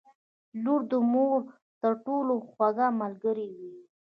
• لور د مور تر ټولو خوږه ملګرې وي.